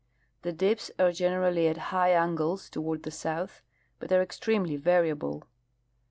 The dips are generally at high angles toward the south, but are extremely variable.